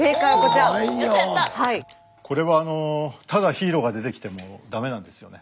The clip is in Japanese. これはただヒーローが出てきても駄目なんですよね。